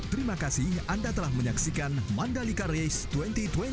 terima kasih anda telah menyaksikan mandalika race dua ribu dua puluh